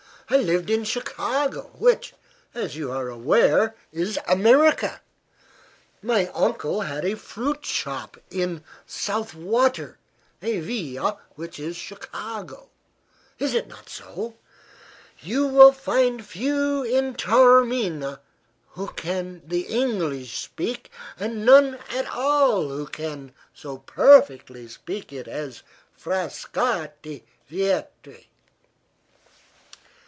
I lived in Chicago, which, as you are aware, is America. My uncle had a fruit shop in South Water, a via which is Chicago. Is it not so? You will find few in Taormina who can the English speak, and none at all who can so perfectly speak it as Frascatti Vietri."